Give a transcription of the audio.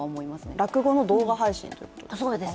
落語の動画配信ということですか。